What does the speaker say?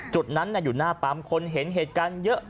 จุดนั้นอยู่หน้าปั๊มคนเห็นเหตุการณ์เยอะ